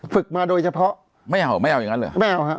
ฝึกมาโดยเฉพาะไม่เอาไม่เอาอย่างนั้นเหรอไม่เอาฮะ